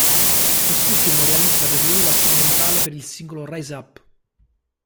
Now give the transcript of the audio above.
Quest'ultimo realizza per lui la strumentale per il singolo "Raise Up".